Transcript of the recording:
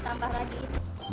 kalau tangga ditambah lagi